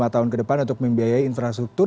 lima tahun ke depan untuk membiayai infrastruktur